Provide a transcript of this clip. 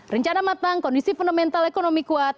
rencana matang kondisi fundamental ekonomi kuat